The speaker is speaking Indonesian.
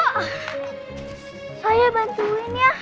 saya bantuin ya